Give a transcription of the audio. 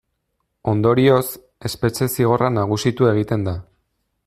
Ondorioz, espetxe-zigorra nagusitu egiten da.